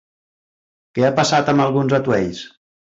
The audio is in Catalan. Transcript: Què ha passat amb alguns atuells?